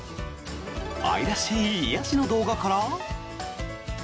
愛らしい癒やしの動画から。